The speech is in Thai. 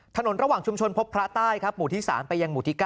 คนพบพระใต้ครับหมู่ที่๓ไปยังหมู่ที่๙